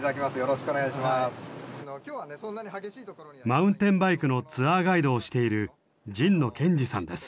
マウンテンバイクのツアーガイドをしている神野賢二さんです。